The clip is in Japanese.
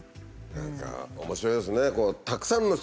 何か面白いですね。